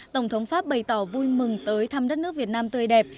tổng thống pháp bày tỏ vui mừng tới thăm đất nước việt nam tươi đẹp